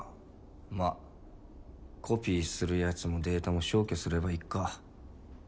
まあコピーするやつもデータも消去すればいっか。